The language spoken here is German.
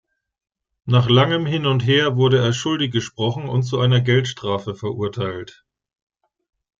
Nach langem Hin und Her wurde er schuldig gesprochen und zu einer Geldstrafe verurteilt.